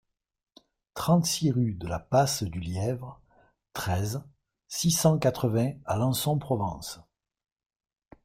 trente-six rue de la Passe du Lièvre, treize, six cent quatre-vingts à Lançon-Provence